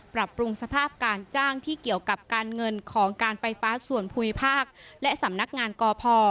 ปรับปรุงสภาพการจ้างที่เกี่ยวกับการเงินของการไฟฟ้าส่วนภูมิภาคและสำนักงานกพ